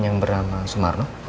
yang bernama sumarno